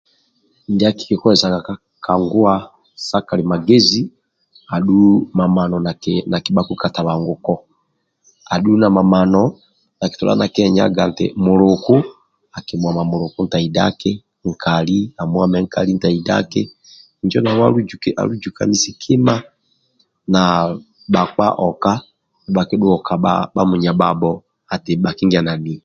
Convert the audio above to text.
Ndia kikikozesaga ka nguwa sa kalimagezi adhu mamano nakibhaku katabanguko adhu na mamano nakitodha nakienyanga nti muluku akimwame muluku ntaidaki na nkali akimwamana nkali ntaidaki injo nau alujukesibe kima na bhakali dhua oka bhamunyabhabho eti bhakinganania